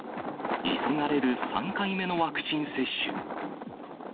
急がれる３回目のワクチン接種。